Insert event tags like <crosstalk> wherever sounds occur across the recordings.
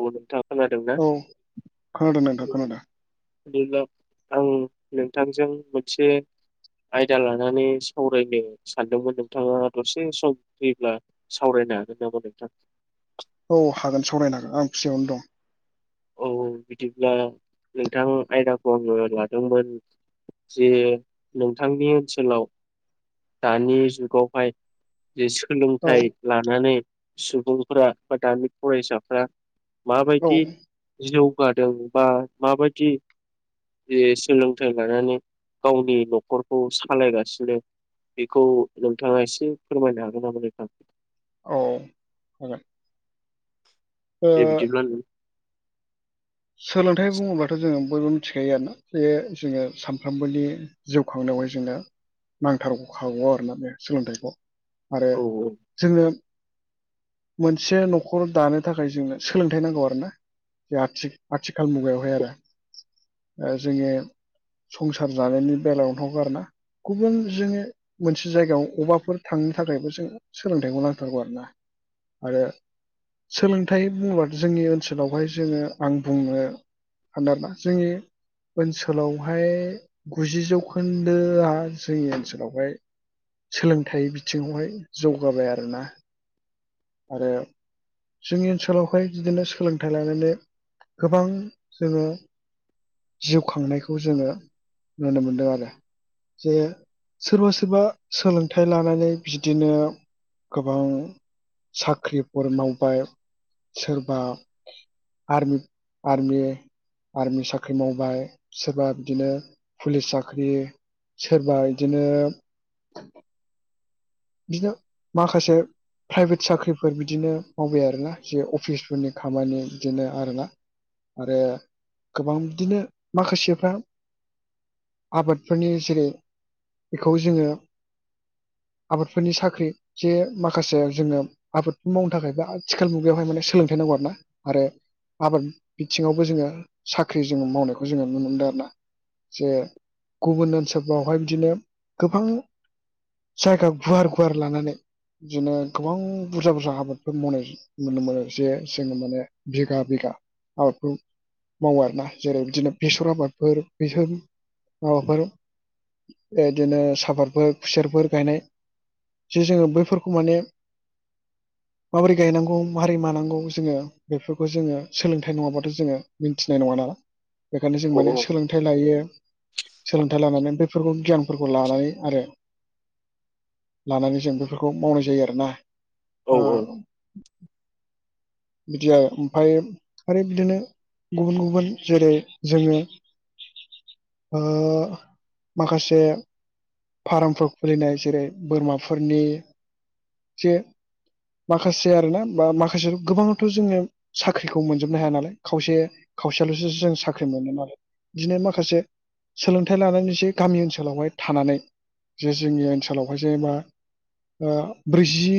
औ नोंथाङा खोनादोंना? औ खोनादों नोंथां खोनादों बिदिब्ला आं नोंथांजों मोनसे आयदा लानानै सावरायनो सानदोंमोन नोंथाङा दसे सम फैब्ला सावरायनो हागोन नामा नोंथां? औ हागोन सावरायनो हागोन आं फ्रियावनो दं । औ औ बिदिब्ला नोंथां आयदाखौ आंङो लादोंमोन जे नोंथांनि ओनसोलाव दानि जुगावहाय जि औ सोलोंथाइ लानानै सुबुंफोरा बा दानि फरायसाफ्रा औ माबायदि जौगादों बा माबायदि जि सोलोंथाइ लानानै गावनि न'खरखौ सालायगासिनो बेखौ नोंथाङा एसे फोरमायनो हागोन नामा नोंथां? औ हागोन । दे बिदिब्ला नों सोलोंथाइ बुङोब्लाथ जोङो बयबो मिथिखायो आरोना जे जोङो सामफ्रोमबोनि जिउ खांनायावहाय जोंनो नांथारगखागौ आरोना बे सोलोंथाइखौ आरो औ जोङो मोनसे नखर दानो थाखाय जोंनो सोलोंथाइ नांगौ आरो ना । जोहा थि आथिखाल मुगायावहाय आरो ओ जोङो संसार जानायनि बेलायावनो हग आरो ना गुबुन जोंङो मोनसे जायगायाव अबाफोर थांनो थाखायबो जों सोलोंथाइखौ नांथारगौ आरो ना आरो सोलोंथाइ बुङोबा जोंनि ओनसोलावहाय जोङो आं बुंनो सानो आरो ना जोंनि ओनसोलावहाय गुजि जौखोन्दोआ जोंनि ओनसोलावहाय सोलोंथाइ बिथिङावहाय जौगाबाय आरोना आरो जोंनि ओनसोलावहाय बिदिनो सोलोंथाइ लानानै गोबां जोङो जिउ खांनायखौ जोङो नुनो मोनदों आरो जे सोरबा सोरबा सोलोंथाइ लानानै बिदिनो गोबां साख्रिफोर मावबाय सोरबा आरमि आरमि आर्मि साख्रि मावबाय सोरबा बिदिनो पुलिस साख्रि सोरबा बिदिनो बिदिनो माखासे प्राइभेट साख्रिफोर बिदिनो मावबाय आरोना जे अफिसफोरनि खामानि बिदिनो आरोना आरो गोबां बिदिनो माखासेफ्रा आबादफोरनि जेरै बेखौ जोङो आबादफोरनि साख्रि जे माखासे जोङो आबादखौ मावनो थाखाय बा आथिखाल मुगायावहाय माने सोलोंथाइ नांगौ आरो ना आरो आबाद बिथिङावबो जोङो साख्रि जोङो मावनायखौ जोङो नुनो मोनदों आरो ना जे गुबुन ओनसोलफोरावहाय बिदिनो गोबां जायगा गुवार गुवार लानानै बिदिनो गोबां बुरजा बुरजा आबादफोर मावनाय नुनो मोनो जे जोङो माने बिघा बिघा आबादखौ मावो आरोना जेरै बिदिनो बेसर आबादफोर बेसर माबाफोर एदिनो साफादफोर खुसेरफोर गायनाय जे जोङो बैफोरखौ माने माबोरै गायनांगौ मारै मानांगौ जोङो बेफोरखौ जोङो सोलोंथाइ नङाबाथ जोङो मिथिनाय नङाना बेखायनो जों औ माने सोलों थाइ लायो सोलोंथाइ लानानै बेफोरखौ गियानफोरखौ लानानै आरो लानानै जों बेफोरखौ मावनाय जायो आरोना औ ओ बिदि आरो ओमफाय आरो बिदिनो गुबुन गुबुन जेरै जोङो ओ माखासे फारामफोर खुलिनाय जेरै बोरमाफोरनि जे माखासे आरोना बा माखासे गोबाङाथ जोङो साख्रिखौ मोनजोबनो हाया नालाय खावसे खावसेलसो जों साख्रि मोनो नालाय बिदिनो माखासे सोलोंथाइ लानानै <unintelligible> से गामि ओनसोलावहाय थानानै जे जोंनि ओनसोलावहाय जेनेबा ओ ब्रैजि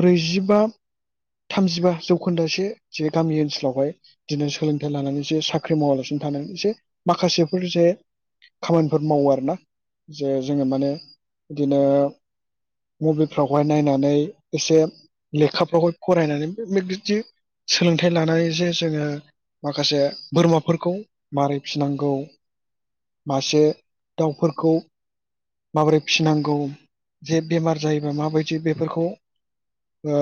ब्रैजिबा थामजिबा जौखोन्दोसो जे गामि ओनसोलावहाय बिदिनो सोलोंथाइ लानानै जे साख्रि मावालासिनो थानानै जे माखासेफोर जे खामानिफोर मावो आरोना जे जोङो माने बिदिनो मबाइलफ्रावहाय नायनानै एसे लेखाफ्रावहाय फरायनानै बिदि सोलोंथाइ लानानै जे जोङो माखासे बोरमाफोरखौ मारै फिनांगौ मासे दाउफोरखौ माबोरै फिनांगौ जे बेमार जायोबा माबायदि बेफोरखौ ओ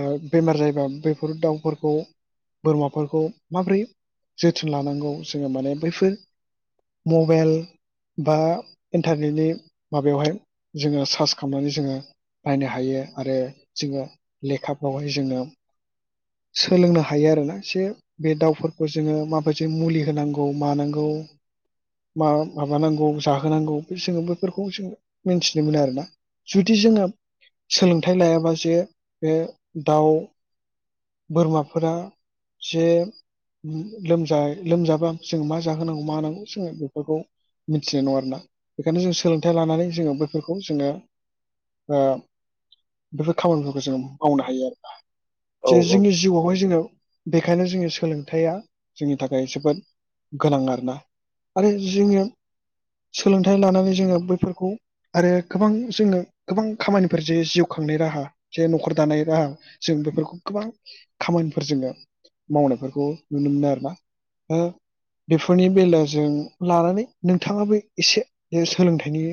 ओ बेमार जायोबा बेफोर दाउफोरखौ बोरमाफोरखौ माबोरै जोथोन लानांगौ जोङो माने बैफोर मबेल बा इन्टारनेटनि माबायावहाय जोङो सार्च खालामनानै जोङो नायनो हायो आरो जोङो लेखाफ्रावहाय जोङो सोलोंनो हायो आरोना एसे बे दाउफोरखौ जोङो माबायसे मुलि होनांगौ मानांगौ मा माबानांगौ जाहोनांगौ जोङो बेफोरखौ जों मिथिनो मोनो आरोना जुदि जोङो सोलोंथाइ लायाबा जे बे दाउ बोरमाफोरा जे लोमजाबा जों मा जाहोनांगौ मा नांगौ जोङो बेफोरखौ मिथिनाय नङा आरोना बेखायनो जों सोलोंथाइ लानानै जोङो बैफोरखौ जोङो ओ बेफोर खामानिफोरखौ जोंङो मावनो हायो आरो औ जे औ जोंनि जिउआवहाय जोङो बेखायनो जोंनि सोलोंथाइया जोंनि थाखाय जोबोद गोनां आरोना आरो जोङो सोलोंथाइ लानानै जोङो बैफोरखौ आरो गोबां जोङो गोबां खामानिफोर जे जिउ खांनाय राहा जे न'खर दानाय राहा जों बेफोरखौ गोबां खामानिफोर जोङो मावनायफोरखौ नुनो मोनो आरो ना बेफोरनि बेलजों लानानै नोंथाङाबो एसे सोलोंथाइनि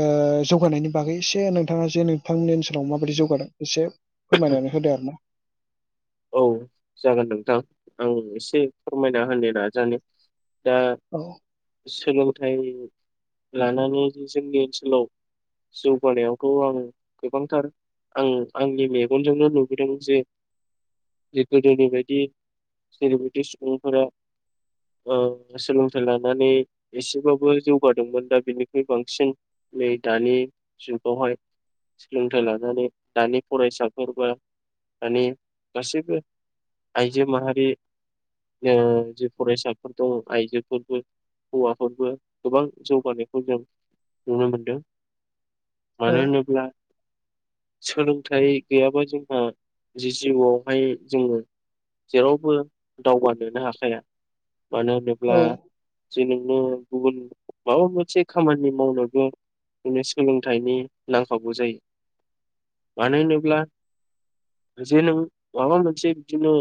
ओ जौगानायनि बागै एसे नोंथाङा जे नोंथांनि ओनसोलाव माबायदि जौगादों एसे फोरमायनानै होदो आरो ना औ जागोन नोंथां आं एसे फोरमायना होनो नाजानि दा औ सोलोंथाइ लानानै जोंनि ओनसोलाव जौगानायावथ' आं गोबांथार आं आंनि मेगनजोंनो खुंबोदों जे जे गोदोनिबादी जेरैबादि सुबुंफोरा ओ सोलोंथाइ लानानै एसेबाबो जौगादोंमोन दा बिनिख्रुइ बांसिन नै दानि जुगावहाय सोलोंथाइ लानानै दानि फरायसा फोरबो मानि गासैबो आइजो माहारि ओ जि फरायसाफोर दं आइजोफोरबो हौवाफोरबो गोबां जौगानायखौ जों नुनो मोनदों औ मानो होनोब्ला सोलोंथाइ गैयाबा जोंहा जिउआवहाय जोङो जेरावबो दावगानोनो हाखाया मानो औ होनोब्ला जे नोङो गुबुन माबा मोनसे खामानि मावनांगौ बिनो सोलोंथाइनि नांफागौ जायो मानो होनोब्ला बिदिनो माबा मोनसे बिदिनो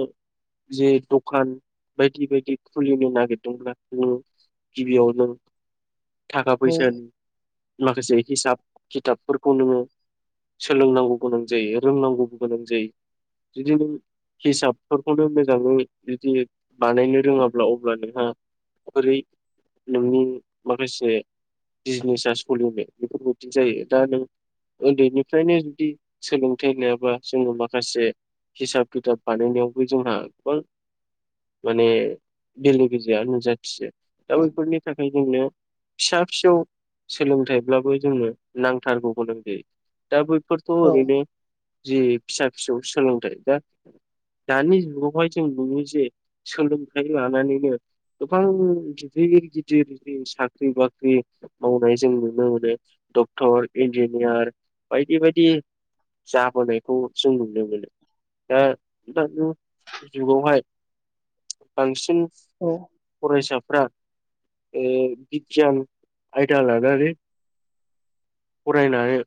जे दखान बायदि बायदि खुलिनो नागिरदोंब्ला जङो गिबियावनो थाखा औ फैसानि माखासे हिसाब खिथाबफोरखौ नोङो सोलोंनांगौ गोनां जायो। रोंनांगौबो गोनां जायो बिदिनो हिसाबफोरखौनो मोजाङै जुदि बानायनो रोङाब्ला अब्ला नोंहा रै नोंनि माखासे बिजनेसा सोलिनो बेफोरबायदिनो जायो दा नों उन्दैनिफ्रायनो जुदि सोलों थैनायाबा जोङो माखासे हिसाब खिथाब बानायनायावबो जोंहा गोबां माने बेले बेजेआ नुजाथियो दा बफोरनि थाखाय फ्राय जोंनो फिसा फिसौ सोलोंथाइब्लाबो जोंनो नांथारगौ गोनों जायो दाबफोरथ' औ ओरैनो ज फिसा फिसौ सोलोंथाइ दा दानि जुगावहाय जों नुयो जे सोलोंथाइ लानानैनो दख जदि साख्रि बाख्रि मावनाय जों नुनो मोनो डक्टर इन्जिनियार बायदि बायदि जाबोनायखौ जों नुनो मोनो दा दानि जुगावहाय बांसिन सन औ फरायसाफ्रा ओ बिगियान आयदा लानानै फरायनाय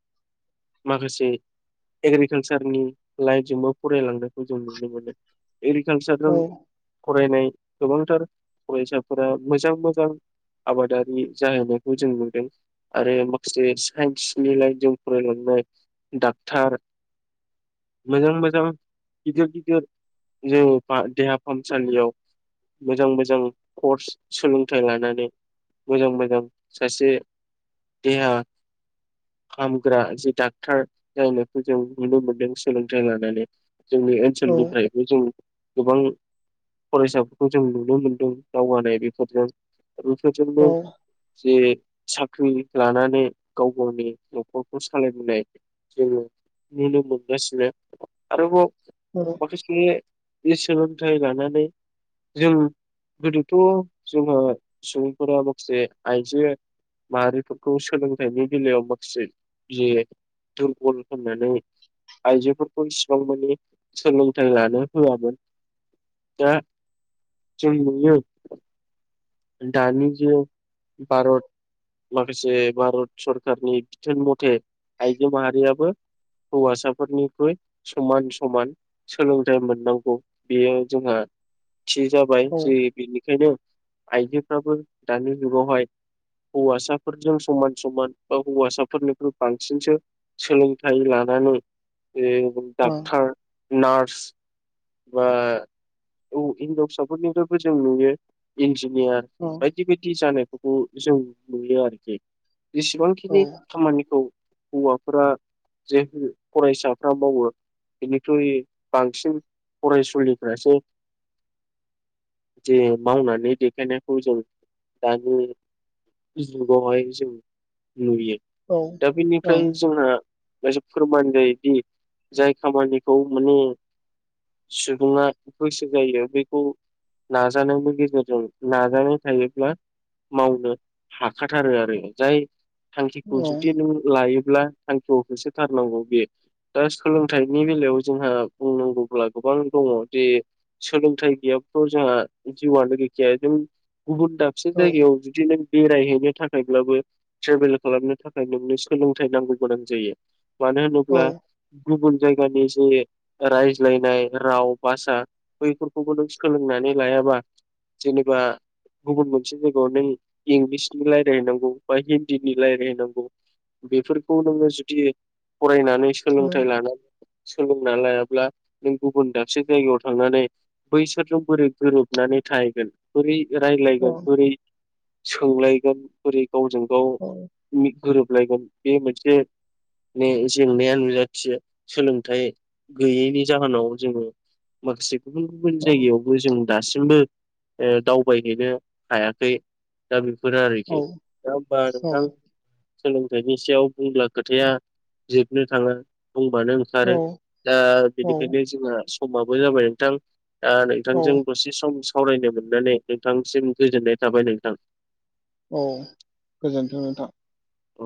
माखासे एग्रिकालसारनि लाइनजोंबो फरायलांनायखौ जों नुनो मोनो। औ एग्रिकालसारजों फरायनाय गोबांथार फरायसाफोरा मोजां मोजां आबादारि जाहैनायखौ जों नुदों आरो माखासे सो साइन्सनिलाय जों फरायलांनाय डाक्टार मोजां मोजां गिदिर गिदिर जों फा देहा फाहामसालियाव मोजां मोजां कर्स सोलोंथाइ लानानै मोजां मोजां सासे देहा खामग्रा जि डाक्टार जाहनायखौ जों नुनो मोनदों सोलोंथाइ लानानै जोंनि ओ औ सोलनिफ्राय जों गोबां फरायसाफोरखौ जों नुनो मोनदों दावगानाय बेफोरजों औ बेफोरजोंनो जे साख्रि लानानै गाव गावनि न'खरखौ सालायबोनाय जोङो नुनो मोनगासिनो। आरोबाव बर' माखासेनि सोलोंथाइ लानानै जों गोदोथ' जोंहा सुबुंफोरा माखासे आइजो मारिफफोरखौ सोलों थायनि बेलायाव माखासे ज दुरबल होननानै आइजोफोरखौ इसिबां मानि सोलोंथाइ लानो होआमोन दा जों नुयो दानि जि भारत माखासे भारत सरखारारनि बिथोन मथे आइजो माहारियाबो हौवासाफोरनिखइ समान समान सोलोंथाइ मोननांगौ बेयो जोंहा थि जाबाय औ जि बेनिखायनो आइजोफ्राबो दानि जुगावहाय हौवासाफोरजों समान समान बा हौवासाफोरनिख्रुइ बांसिनसो सोलोंथाइ लानानै ओ डाक्टार नार्स बा उ हिनजाव फिसाफोरनिफ्रायबो जों नुयो इन्जिनियार औ बि बायदि जानायफोरखौ जों नुयो आरोखि जेसेबांखिनि खामानिखौ हौवाफोरा जेफोर फरायसाफ्रा मावो बेनिख्रुयइ बांसिन फरायसुलिफ्रासो जे मावनानै देखायनायखौ जों दानि जुगावहाय जों नुयो औ दा औ बेनिफ्राय जोंहा एसे फोरमान जायोदि जाय खामानिखौ माने सुबुङा गोसो जायो बेखौ नाजानायमोन गेजेरजों नाजानाय थायोब्ला मावनो हाखाथारो आरो जाय थांखिखौ जुदि नों लायोब्ला थांखियाव होसोथारनांगौ बे दा सोलोंथाइनि बेलायाव जोंहा बुंनांगौब्ला गोबां दङ जे सोलोंथाइ गैयाथ' जोंहा जिउआनो गैखाया जों गुबुन दाबसे जायगायाव जुदि नों बेरायहैनो थाखायब्लाबो ट्रेभेल खालामनो थाखाय नोंनो सोलोंथाइ नांगौ गोनां जायो मानो होनोब्ला गुबुन जायगानि जे रायज्लायनाय राव भाषा बैफोरखौबो नों सोलोंनानै लायाबा जेनेबा गुबुन मोनसे जायगायाव नों इंलिसनि रायजलायैनांगौ बा हिन्दीनि रायजलायहैनांगौ बेफोरखौ नोङो जुदि फरायनानै सोलोंथाइ लानानै सोलोंना लायाब्ला नों गुबुन दाबसे जायगायाव थांनानै बैसोरजों बोरै गोरोब हनानै थाहैगोन बोरै रायजलायगोन बोरै सोंलायगोन बोरै गावजों गाव गोरोबलायगोन बे मोनसे माने जेंनाया नुजाथियो सोलोंथाइ गैयैनि जाहोनाव जोङो माखासे गुबुन गुबुन जायगायावबो जों दासिमबो दावबायहैनो हायाखै दा बेफोरो आरोखि दा होमबा नोंथां सोलोंथाइनि सायाव बुंब्ला खोथाया जोबनो थाङा बुंबानो ओंखारो ।ज्ञदा औ बेनिखायनो जोंहा समाबो जाबाय नोंथां दा नोंथांजों दसे सम सावरायनो मोननानै नोंथांसिम गोजोननाय थाबाय नोंथां। औ गोजोनथों नोंथां औ